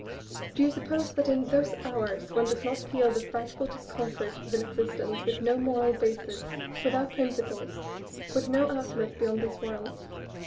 Do you suppose that in those hours one does not feel the frightful discomfort of an existence with no moral basis, without principles, with no outlook beyond this world?